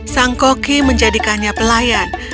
sang koki menjadikannya pelayan